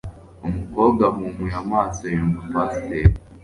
umukobwa, ahumuye amaso, yumva pasiteri